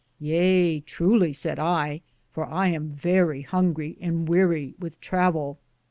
Yeae, truly ! said I ; for I am verrie hungrie and wearrie with travell.